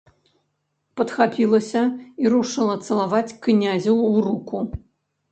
Падхапілася і рушыла цалаваць князю ў руку.